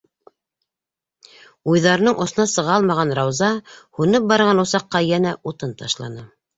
Уйҙарының осона сыға алмаған Рауза һүнеп барған усаҡҡа йәнә утын ташланы.